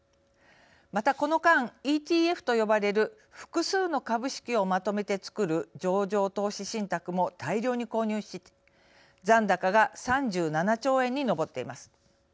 また、この間ＥＴＦと呼ばれる複数の株式をまとめてつくる上場投資信託も大量に購入し残高が３７兆円に上っています。